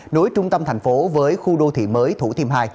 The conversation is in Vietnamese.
nối trung tâm thành phố với khu đô thị mới thủ thiêm hai